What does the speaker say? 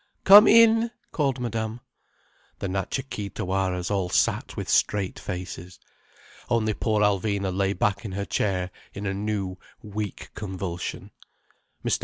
"Come in," called Madame. The Natcha Kee Tawaras all sat with straight faces. Only poor Alvina lay back in her chair in a new weak convulsion. Mr.